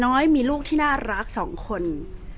แต่ว่าสามีด้วยคือเราอยู่บ้านเดิมแต่ว่าสามีด้วยคือเราอยู่บ้านเดิม